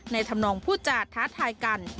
ธรรมนองผู้จาท้าทายกัน